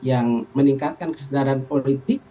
yang meningkatkan kesadaran politik